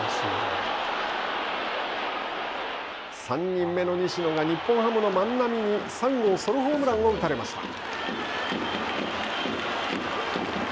３人目の西野が日本ハムの万波に３号ソロホームランを打たれました。